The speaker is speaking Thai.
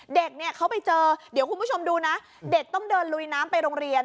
เด็กเนี่ยเขาไปเจอเดี๋ยวคุณผู้ชมดูนะเด็กต้องเดินลุยน้ำไปโรงเรียน